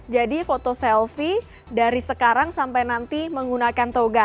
jadi foto selfie dari sekarang sampai nanti menggunakan toga